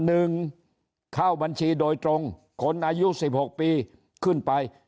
หนึ่งเข้าบัญชีโดยตรงคนอายุสิบหกปีขึ้นไป